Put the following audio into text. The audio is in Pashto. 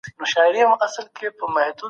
سیال هیواد سوداګریزه هوکړه نه لغوه کوي.